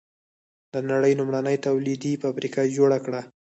د نړۍ لومړنۍ تولیدي فابریکه جوړه کړه.